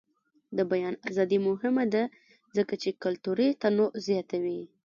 د بیان ازادي مهمه ده ځکه چې کلتوري تنوع زیاتوي.